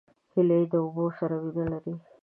هیلۍ د اوبو سره مینه لري